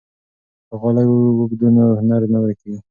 که غالۍ ووبدو نو هنر نه ورکيږي.